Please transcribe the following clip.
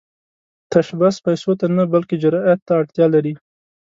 تشبث پيسو ته نه، بلکې جرئت ته اړتیا لري.